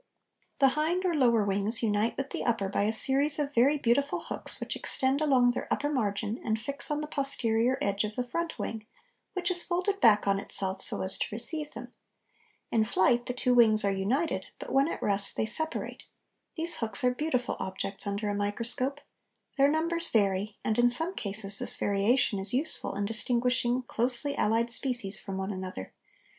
The hind or lower wings unite with the upper by a series of very beautiful hooks which extend along their upper margin and fix on to the posterior edge of the front wing, which is folded back on itself so as to receive them; in flight the two wings are united, but when at rest they separate; these hooks are beautiful objects under a microscope; their numbers vary; and in some cases this variation is useful in distinguishing closely allied species from one another.